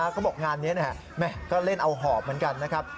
ก็บอกว่างานนี้ในสกัดก็เล่นเอาหอบเหมือนกันนะครับ